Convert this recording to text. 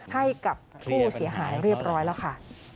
ให้กับผู้เสียหายเรียบร้อยแล้วค่ะ